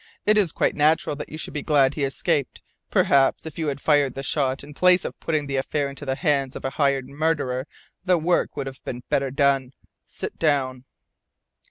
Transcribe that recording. It is quite natural that you should be glad he escaped. Perhaps if you had fired the shot in place of putting the affair into the hands of a hired murderer the work would have been better done. Sit down!"